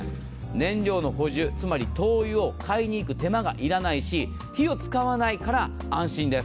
燃料の補充、灯油を買いに行く手間が要らないし、火を使わないから安心です。